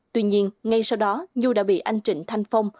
tuy nhiên ngay sau đó nhu đã bị anh trịnh thanh phong